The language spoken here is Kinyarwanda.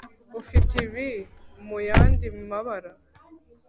ufite ibi muyandi mabara